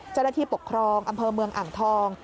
เจ้าหน้าที่ปกครองอำเภอเมืองอ่างทอง